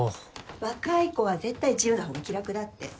若い子は絶対自由な方が気楽だって。